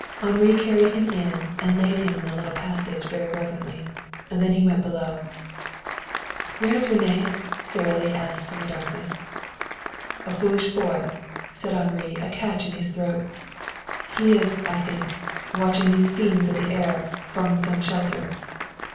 Henri carried him in and laid him in the little passage, very reverently. Then he went below. "Where is René?" Sara Lee asked from the darkness. "A foolish boy," said Henri, a catch in his throat. "He is, I think, watching these fiends of the air, from some shelter."